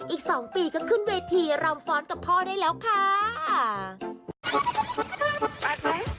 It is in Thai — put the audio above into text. อีก๒ปีก็ขึ้นเวทีรำฟ้อนกับพ่อได้แล้วค่ะ